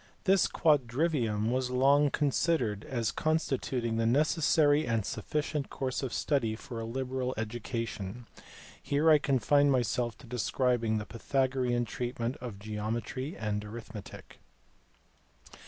This " quadrivium " was long considered as constituting the necessary and sufficient course of study for a liberal education. Here I confine myself to describing the Pythagorean treatment of geometry and arithmetic.